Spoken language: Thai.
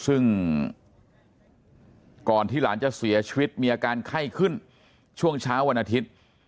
ซึ่งก่อนที่หลานจะเสียชีวิตมีอาการไข้ขึ้นช่วงเช้าวันอาทิตย์